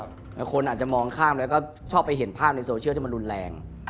คนอาจจะมองข้ามแล้วก็ชอบไปเห็นภาพในโซเชียลที่มันรุนแรง